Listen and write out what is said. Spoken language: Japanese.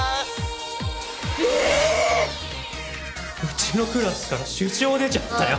うちのクラスから首相出ちゃったよ。